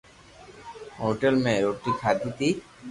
ھوٽل مي روِٽي کاڌي تي